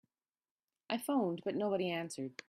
I phoned but nobody answered.